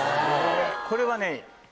これはね。